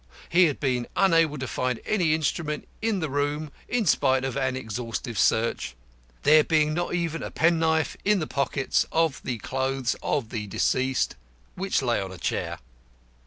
He had been unable to find any instrument in the room in spite of exhaustive search, there being not even a penknife in the pockets of the clothes of the deceased, which lay on a chair.